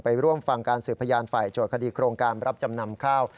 ร่วมฟังการสืบพยานฝ่ายโจทย์คดีโครงการรับจำนำข้าว